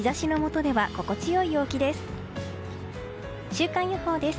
週間予報です。